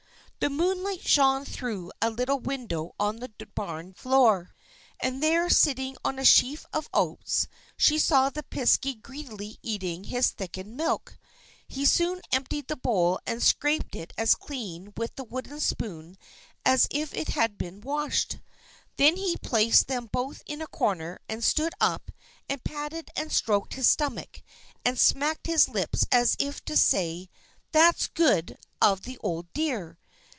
The moonlight shone through a little window on to the barn floor; and there, sitting on a sheaf of oats, she saw the Piskey greedily eating his thickened milk. He soon emptied the bowl and scraped it as clean with the wooden spoon as if it had been washed. Then he placed them both in a corner, and stood up and patted and stroked his stomach, and smacked his lips, as if to say: "That's good of the old dear!